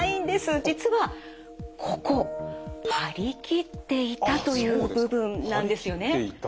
実はここ「張り切っていた」という部分なんですよね。